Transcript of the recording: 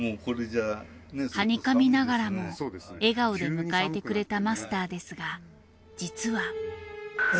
はにかみながらも笑顔で迎えてくれたマスターですが実は。